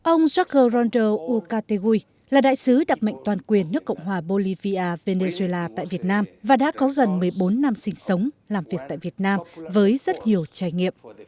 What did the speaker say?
ông jorgker ronder ucategui là đại sứ đặc mệnh toàn quyền nước cộng hòa bolivia venezuela tại việt nam và đã có gần một mươi bốn năm sinh sống làm việc tại việt nam với rất nhiều trải nghiệm